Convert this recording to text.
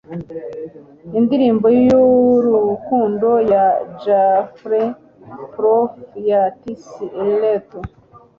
Indirimbo yurukundo ya J Alfred Prufrock ya T S Eliot